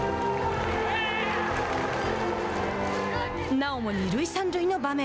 なおも二塁三塁の場面。